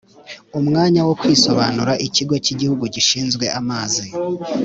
umwanya wo kwisobanura Ikigo cy Igihugu Gishinzwe amazi